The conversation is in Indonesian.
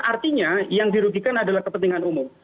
artinya yang dirugikan adalah kepentingan umum